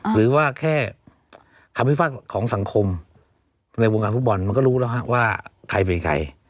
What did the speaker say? คำพิฟันของสังคมในวงการฟุตบอลมันก็รู้แล้วฮะว่าใครเป็นใคร